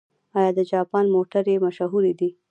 آیا د جاپان موټرې مشهورې دي؟